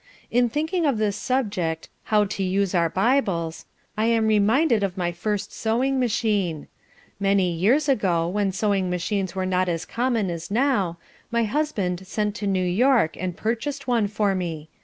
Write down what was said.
In thinking of this subject: 'How to use our Bibles,' I am reminded of my first sewing machine. Many years ago, when sewing machines were not as common as now, my husband sent to New York and purchased one for me.